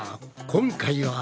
今回は。